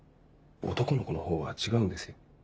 男の子の方は違うんですよ。